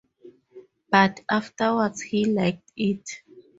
But afterwards he liked it.